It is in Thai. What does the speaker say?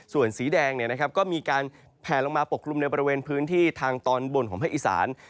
ส่วนสีแดงก็มีการแผลลงมาปกกลุ่มในบริเวณพื้นที่ทางตอนบนของภาคอีสาน